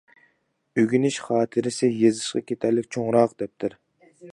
ئۆگىنىش خاتىرىسى يېزىشقا كېتەرلىك چوڭراق دەپتەر.